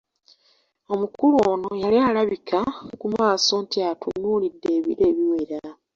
Omukulu ono yali alabika ku maaso nti atunuulidde ebiro ebiwera.